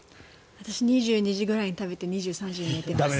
私、２２時くらいに食べて２３時に寝てます。